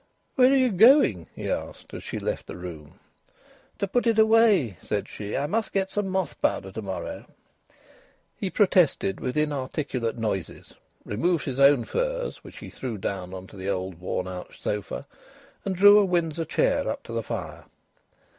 "Where are you going?" he asked, as she left the room. "To put it away," said she. "I must get some moth powder to morrow." He protested with inarticulate noises, removed his own furs, which he threw down on to the old worn out sofa, and drew a Windsor chair up to the fire.